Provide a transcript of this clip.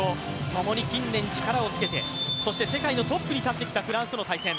共に近年力をつけて、そして世界のトップに立ってきたフランスとの対戦。